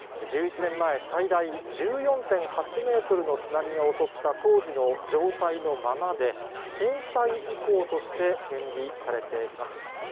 １１年前、最大１４．８メートルの津波が襲った当時の状態のままで、震災遺構として展示されています。